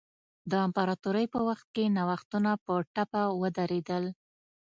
د امپراتورۍ په وخت کې نوښتونه په ټپه ودرېدل.